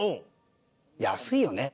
安いよね。